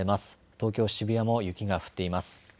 東京渋谷も雪が降っています。